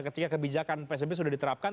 ketika kebijakan psbb sudah diterapkan